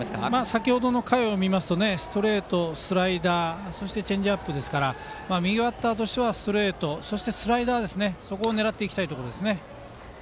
先程の回を見ますとストレート、スライダーそしてチェンジアップですから右バッターとしてはストレート、そしてスライダーそこを狙っていきたいところです。